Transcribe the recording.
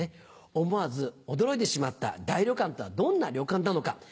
思わず驚いてしまった大旅館とはどんな旅館なのか。